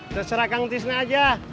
terserah kang disney aja